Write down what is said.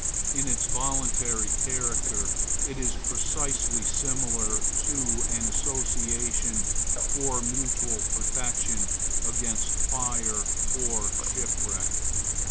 In its voluntary character it is precisely similar to an association for mutual protection against fire or shipwreck.